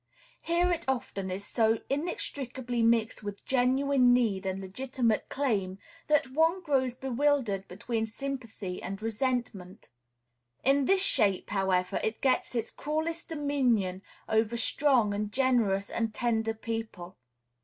Here it often is so inextricably mixed with genuine need and legitimate claim that one grows bewildered between sympathy and resentment. In this shape, however, it gets its cruelest dominion over strong and generous and tender people.